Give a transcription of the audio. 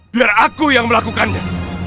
biar aku yang melakukannya